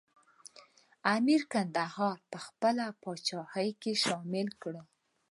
امیر کندهار په خپله پاچاهۍ کې شامل کړ.